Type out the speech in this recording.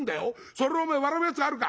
それをお前笑うやつがあるか。